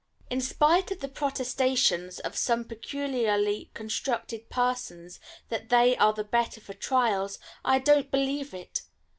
In spite of the protestations of some peculiarly constructed persons that they are the better for trials, I don't believe it.